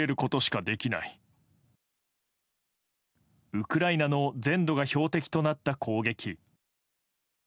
ウクライナの全土が標的となった攻撃。